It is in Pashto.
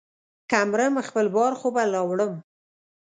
که مرم ، خپل بار خو به لا وړم.